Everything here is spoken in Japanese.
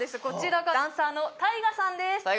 こちらがダンサーのタイガさんです